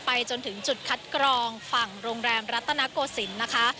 จนถึงจุดคัดกรองฝั่งโรงแรมรัตนโกศิลป์นะคะ